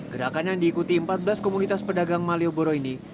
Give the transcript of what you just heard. gerakan yang diikuti empat belas komunitas pedagang malioboro ini